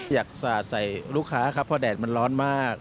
สาดใส่ลูกค้าครับเพราะแดดมันร้อนมาก